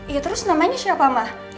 iya terus namanya siapa mah